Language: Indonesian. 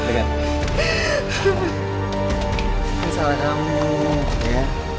ini salah kamu ya